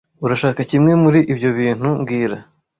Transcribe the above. Urashaka kimwe muri ibyo bintu mbwira